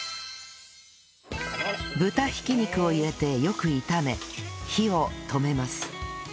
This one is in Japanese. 豚挽き肉を入れてよく炒め火を止めます